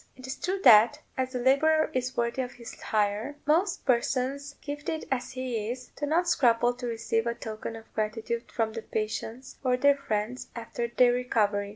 It is true that, as the labourer is worthy of his hire, most persons gifted as he is do not scruple to receive a token of gratitude from the patients or their friends after their recovery.